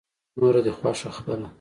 نوره دې خوښه خپله.